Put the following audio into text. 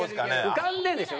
浮かんでるんでしょ？